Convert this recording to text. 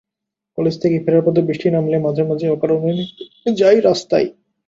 College থেকে ফেরার পথে বৃষ্টি নামলে মাঝে মাঝে অকারণে নেমে যাই রাস্তায়।